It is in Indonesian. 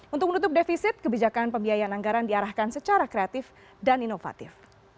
untuk menutup defisit kebijakan pembiayaan anggaran diarahkan secara kreatif dan inovatif